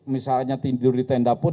misalnya tidur di tenda pun